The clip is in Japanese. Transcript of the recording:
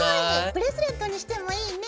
ブレスレットにしてもいいね。